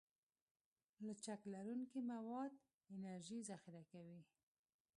لچک لرونکي مواد انرژي ذخیره کوي.